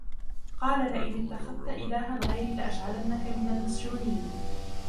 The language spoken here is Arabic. قال لئن اتخذت إلها غيري لأجعلنك من المسجونين